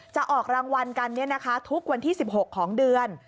จะออกรางวัลกันทุกวันที่๑๖ของเดือน